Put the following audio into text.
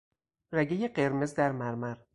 رگهی قرمز در مرمر